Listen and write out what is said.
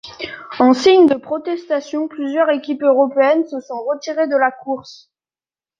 En signe de protestation, plusieurs équipes européennes se sont retirés de la course.